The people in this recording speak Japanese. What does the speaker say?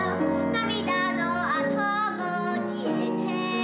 涙のあとも消えて